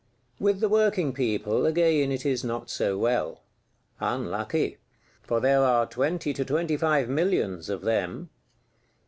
With the working people, again it is not so well. Unlucky! For there are twenty to twenty five millions of them.